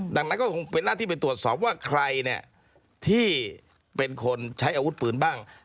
ดังนั้นก็คงเป็นหน้าที่ไปตรวจสอบว่าใครเนี่ยที่เป็นคนใช้อาวุธปืนบ้าง